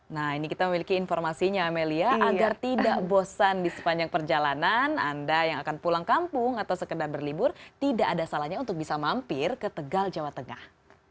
nah ini kita memiliki informasinya amelia agar tidak bosan di sepanjang perjalanan anda yang akan pulang kampung atau sekedar berlibur tidak ada salahnya untuk bisa mampir ke tegal jawa tengah